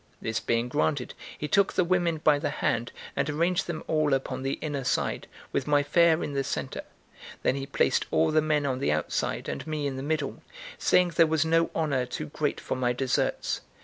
This being granted, he took the women by the hand, and arranged them all upon the inner side, with my fair in the centre; then he placed all the men on the outside and me in the middle, saying there was no honour too great for my deserts.